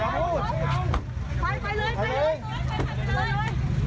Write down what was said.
เอ๊ะเพราะฝั่งผู้ข้าม